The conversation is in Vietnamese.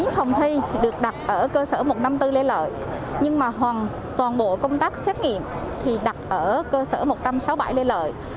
chín phòng thi được đặt ở cơ sở một trăm năm mươi bốn lê lợi nhưng mà hoàn toàn bộ công tác xét nghiệm thì đặt ở cơ sở một trăm sáu mươi bảy lê lợi